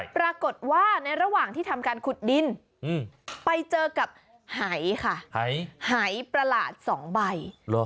ปรากฏว่าในระหว่างที่ทำการขุดดินไปเจอกับหายค่ะหายประหลาด๒ใบ